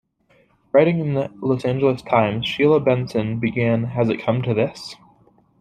Writing in the "Los Angeles Times", Sheila Benson began, "Has it come to this?